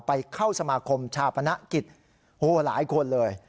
ไปเข้าสมาคมชาปนกิจหลายคนเลย